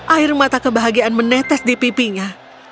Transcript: air mata kebahagiaan menetes di pipinya